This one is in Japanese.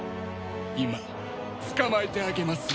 今捕まえてあげますよ。